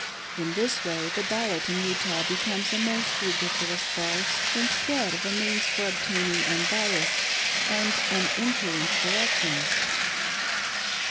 In this way the ballot in Utah becomes a most ridiculous farce, instead of a means for obtaining unbiassed and uninfluenced elections.